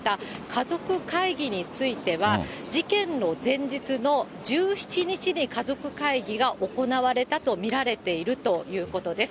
家族会議については、事件の前日の１７日に家族会議が行われたと見られているということです。